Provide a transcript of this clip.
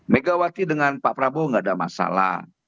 megawati dengan pak prabowo tidak ada masalah